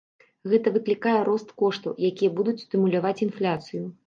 Гэта выклікае рост коштаў, якія будуць стымуляваць інфляцыю.